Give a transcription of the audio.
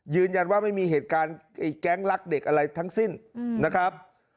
ยืนยันว่าไม่มีเหตุการณ์ไอ้แก๊งรักเด็กอะไรทั้งสิ้นนะครับ